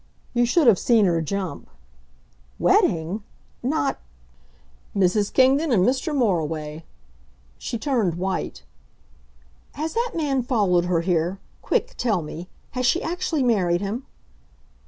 You should have seen her jump. "Wedding! Not " "Mrs. Kingdon and Mr. Moriway." She turned white. "Has that man followed her here? Quick, tell me. Has she actually married him?"